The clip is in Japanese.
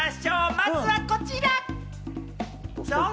まずはこちら！